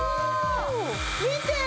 見て！